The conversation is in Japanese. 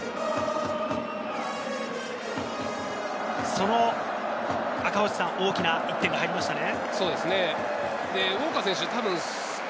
その大きな１点が入りましたね。